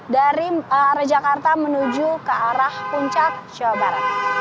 dari rejakarta menuju ke arah puncak jawa barat